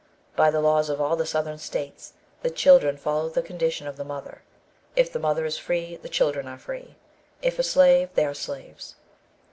By the laws of all the Southern States the children follow the condition of the mother. If the mother is free the children are free; if a slave, they are slaves.